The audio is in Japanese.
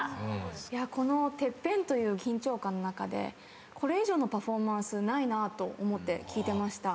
このＴＥＰＰＥＮという緊張感の中でこれ以上のパフォーマンスないなと思って聴いてました。